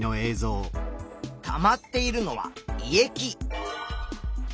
たまっているのは胃液。